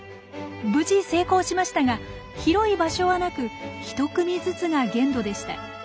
無事成功しましたが広い場所はなく１組ずつが限度でした。